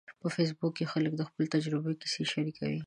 په فېسبوک کې خلک د خپلو تجربو کیسې شریکوي.